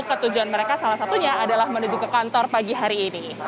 ketujuan mereka salah satunya adalah menuju ke kantor pagi hari ini